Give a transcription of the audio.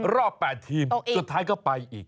รอบ๘ทีมสุดท้ายก็ไปอีก